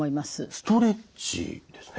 ストレッチですね。